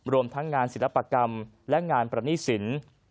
รวมทั้งงานศิลปกรรมและงานประณีสิน